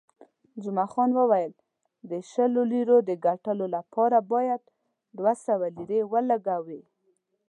جمعه خان وویل، د شلو لیرو د ګټلو لپاره باید دوه سوه لیرې ولګوې.